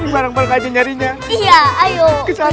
barang barang aja nyarinya